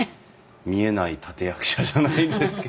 見えない立て役者じゃないですけど。